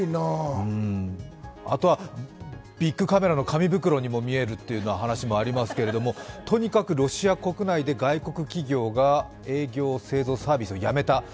あとはビッグカメラの紙袋にも見えるっていう話がありますけれどもとにかくロシア国内で外国企業が営業、サービスをやめた。